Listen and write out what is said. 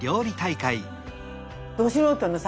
ど素人のさ